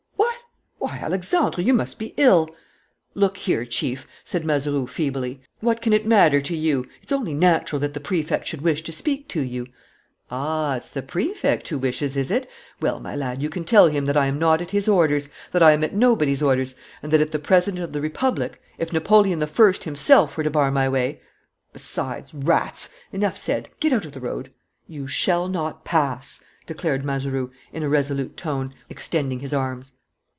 "What! Why, Alexandre, you must be ill!" "Look here, Chief," said Mazeroux feebly. "What can it matter to you? It's only natural that the Prefect should wish to speak to you." "Ah, it's the Prefect who wishes, is it?... Well, my lad, you can tell him that I am not at his orders, that I am at nobody's orders, and that, if the President of the Republic, if Napoleon I himself were to bar my way ... Besides, rats! Enough said. Get out of the road!" "You shall not pass!" declared Mazeroux, in a resolute tone, extending his arms.